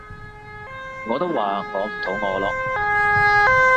我都話我唔肚餓咯